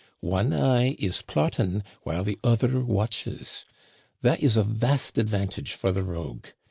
One eye is plotting while the other watches. That is a vast advantage for the rogue.